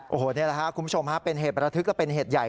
โอ้โหนี่แหละครับคุณผู้ชมฮะเป็นเหตุประทึกและเป็นเหตุใหญ่